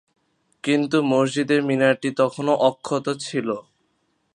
কিন্তু মসজিদের মিনার টি তখনও অক্ষত ছিল।